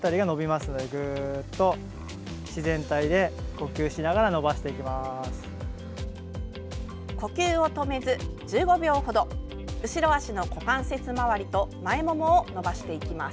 呼吸を止めず、１５秒ほど後ろ脚の股関節周りと前ももを伸ばしていきます。